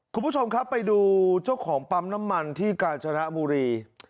คุณผู้ชมครับไปดูเจ้าของปั๊มน้ำมันที่กาญจนบุรี